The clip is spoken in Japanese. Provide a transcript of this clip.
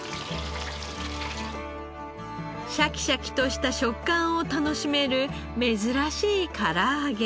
シャキシャキとした食感を楽しめる珍しい唐揚げ。